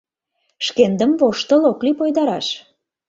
Шкендым воштыл ок лий пойдараш.